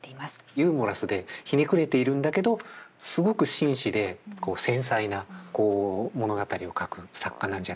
ユーモラスでひねくれているんだけどすごく紳士で繊細な物語を書く作家なんじゃないかなというふうに思っています。